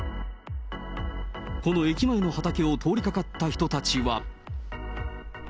この駅前の畑を通りかかった人たちは。